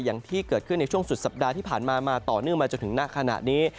อย่างที่เกิดขึ้นในช่วงสุดสัปดาห์ที่ผ่านมามาต่อเนื่องมาจนถึงหน้าขณะนี้